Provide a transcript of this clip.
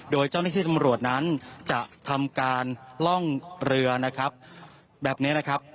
โดยเจ้าหน้าที่ตำรวจนั้นจะทำการล่องเรือนะครับแบบนี้นะครับ